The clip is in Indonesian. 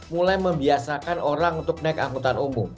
mulai membiasakan orang untuk naik angkutan umum